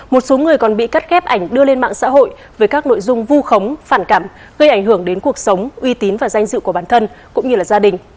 một số người còn bị cắt ghép ảnh đưa lên mạng xã hội với các nội dung vu khống phản cảm gây ảnh hưởng đến cuộc sống uy tín và danh dự của bản thân cũng như là gia đình